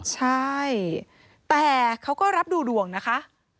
ใช่แต่เขาก็รับดูดวงนะคะ